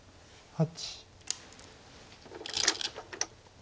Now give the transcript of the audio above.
８。